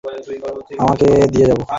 তরপরে সেই আমার বাগানটা আমি তোমাকে দিয়ে যাব।